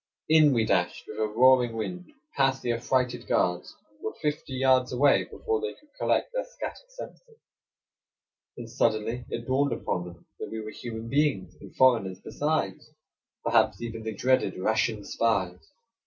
In we dashed with a roaring wind, past the affrighted guards, and were fifty yards away before they could collect their scattered senses. Then suddenly it dawned upon them that we were human beings, and foreigners besides — perhaps even the dreaded Russian spies.